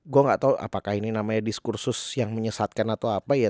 gue gak tau apakah ini namanya diskursus yang menyesatkan atau apa ya